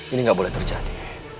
ini gak boleh terjadi